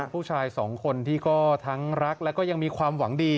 ผู้ชายสองคนที่ก็ทั้งรักแล้วก็ยังมีความหวังดี